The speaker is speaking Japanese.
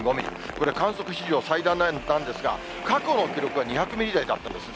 これ、観測史上最大なんですが、過去の記録は２００ミリ台だったんです。